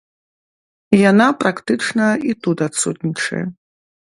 Яна практычна і тут адсутнічае.